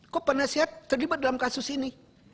kok penasihat terlibat dalam kasus ini